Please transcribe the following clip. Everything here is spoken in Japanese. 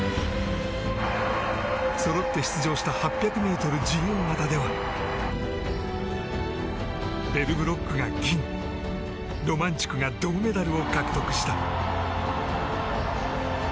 そろって出場した８００ｍ自由形ではベルブロックが銀ロマンチュクが銅メダルを獲得した。